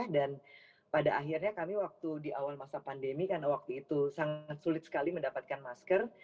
dan pada akhirnya kami waktu di awal masa pandemi karena waktu itu sangat sulit sekali mendapatkan masker